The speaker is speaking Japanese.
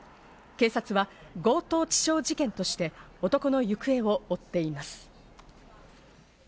警察は強盗致傷事件として男の行方を追っています。